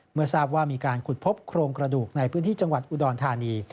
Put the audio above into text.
เมื่อทราบว่ามีการขุดพบโครงกระดูกในพื้นที่จังหวัดอุดรธานี